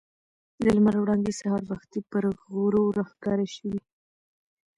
د لمر وړانګې سهار وختي پر غرو راښکاره شوې.